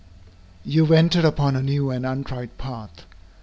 _ You have entered upon a new and untried path.